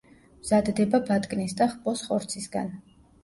მზადდება ბატკნის და ხბოს ხორცისგან.